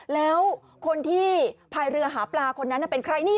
แล้วคนที่พายเรือหาปลาคนนั้นเป็นใครนี่